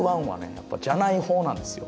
やっぱじゃない方なんですよ